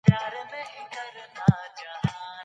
دري هم زموږ ژبه ده.